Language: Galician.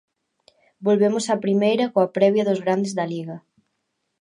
Volvemos á primeira coa previa dos grandes da Liga.